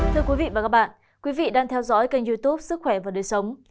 thưa quý vị và các bạn quý vị đang theo dõi kênh youtube sức khỏe và đời sống